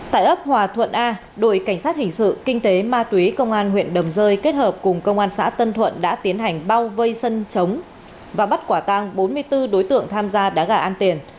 tại ấp hòa thuận a đội cảnh sát hình sự kinh tế ma túy công an huyện đầm rơi kết hợp cùng công an xã tân thuận đã tiến hành bao vây sân trống và bắt quả tăng bốn mươi bốn đối tượng tham gia đá gà ăn tiền